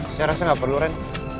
saya rasa nggak perlu ren